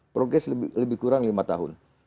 progress lebih kurang lima tahun